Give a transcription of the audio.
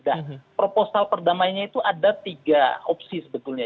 nah proposal perdamainya itu ada tiga opsi sebetulnya